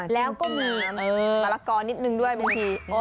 แล้วก็มีมะละกอนิดนึงด้วยบางที